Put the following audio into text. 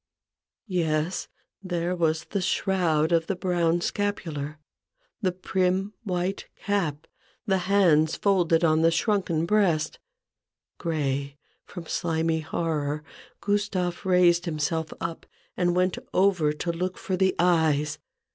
Yes ; there was the shroud of the brown scapular, the prim white cap, the hands folded on the shrunken breast. Gray from slimy horror, Gustave raised him self up, and went over to look for the eyes.